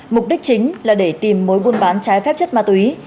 mục đích chính là để tìm mối buôn bán trái phép chất ma túy